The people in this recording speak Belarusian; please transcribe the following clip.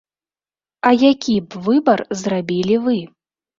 А які б выбар зрабілі вы?